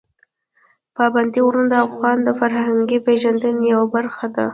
پابندي غرونه د افغانانو د فرهنګي پیژندنې یوه برخه ده.